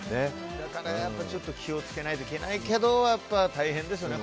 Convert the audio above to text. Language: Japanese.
だから気を付けないといけないけどやっぱ、大変ですね。